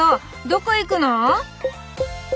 どこへ行くの？